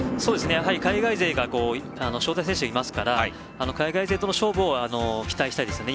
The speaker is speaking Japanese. やはり、海外勢が招待選手いますから海外勢との勝負を期待したいですね